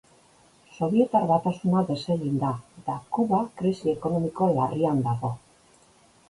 Sobietar Batasuna desegin da, eta Kuba krisi ekonomiko larrian dago.